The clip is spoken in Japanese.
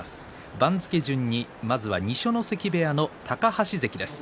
番付順に、まずは二所ノ関部屋の高橋関です。